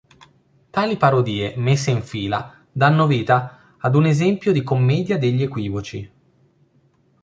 Tali parodie, messe in fila, danno vita ad un esempio di commedia degli equivoci.